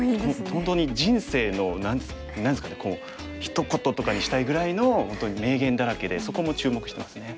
本当に人生の何ですかねひと言とかにしたいぐらいの本当に名言だらけでそこも注目してますね。